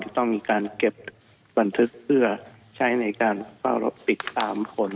ก็ต้องมีการเก็บบันทึกเพื่อใช้ในการปิดตามผล